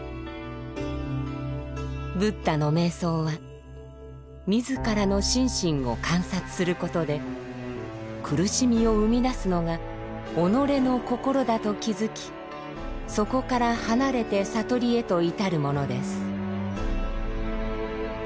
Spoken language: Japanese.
ブッダの瞑想は自らの心身を観察することで苦しみを生み出すのが己の心だと気づきそこから離れて悟りへと至るものです。